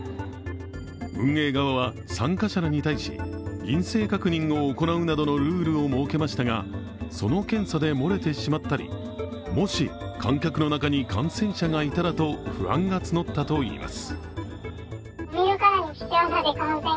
運営側は参加者らに対し、陰性確認を行うなどのルールを設けましたが、その検査で漏れてしまったり、もし観客の中に感染者がいたらと不安が募ったといいます。